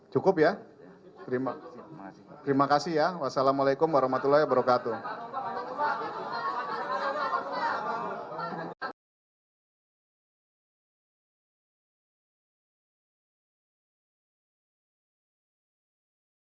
cukup ya terima kasih ya wassalamualaikum warahmatullahi wabarakatuh